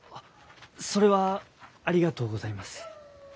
それはありがとうございます。